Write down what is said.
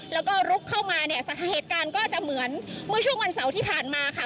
แล้วก็ลุกเข้ามาเนี่ยสถานการณ์ก็จะเหมือนเมื่อช่วงวันเสาร์ที่ผ่านมาค่ะ